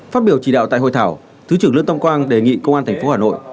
phát biểu chỉ đạo tại hội thảo thứ trưởng lương tâm quang đề nghị công an tp hà nội